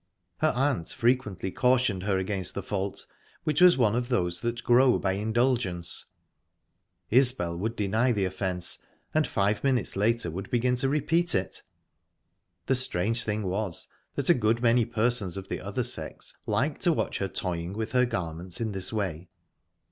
Her aunt frequently cautioned her against the fault, which was one of those that grow by indulgence; Isbel would deny the offence, and five minutes later would begin to repeat it. The strange thing was that a good many persons of the other sex liked to watch her toying with her garments in this way.